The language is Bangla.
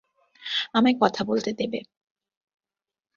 আমায় কথা বলতে দেবে।